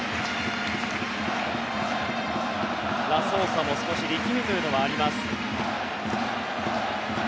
ラソーサも少し力みというのがあります。